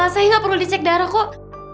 saya nggak perlu dicek darah kok